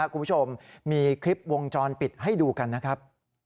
คุณผู้ชมมีคลิปวงจรปิดให้ดูกันนะครับ